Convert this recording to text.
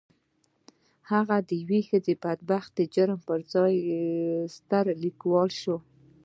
هغه د يوه بدبخته مجرم پر ځای ستر ليکوال شو.